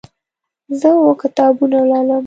زه اوه کتابونه لولم.